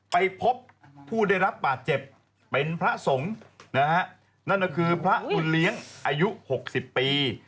ไปพบผู้ได้รับบาดเจ็บเป็นพระสงฆ์นะฮะนั่นก็คือพระบุญเลี้ยงอายุ๖๐ปี